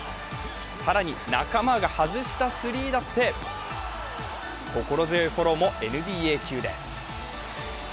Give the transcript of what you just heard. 更に仲間が外したスリーだって、心強いフォローもＮＢＡ級です。